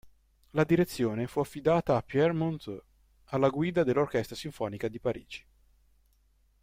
La direzione fu affidata a Pierre Monteux alla guida dell'Orchestra sinfonica di Parigi.